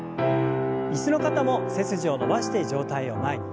椅子の方も背筋を伸ばして上体を前に。